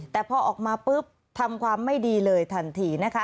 แต่พอออกมาปุ๊บทำความไม่ดีเลยทันทีนะคะ